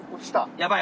やばい！